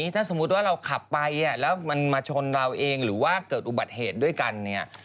ถ้าสมมุติว่าเราขับไปแล้วมันมาชนเราเองหรือว่าเกิดอุบัติเหตุด้วยกันเนี่ย